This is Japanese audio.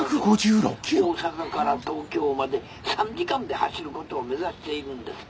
「大阪から東京まで３時間で走ることを目指しているんです」。